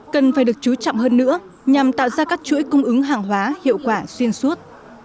cần phải được chú trọng hơn nữa nhằm tạo ra các chuỗi cung ứng hàng hóa hiệu quả xuyên suốt